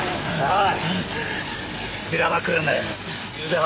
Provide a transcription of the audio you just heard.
ああ！？